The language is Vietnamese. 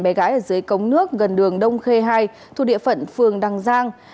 bé gái ở dưới cống nước gần đường đông khê hai thu địa phận phường đằng giang